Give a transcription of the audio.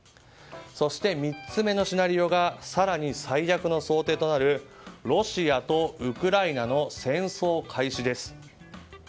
そして、３つ目のシナリオが更に最悪の想定となるロシアとウクライナの戦争開始です。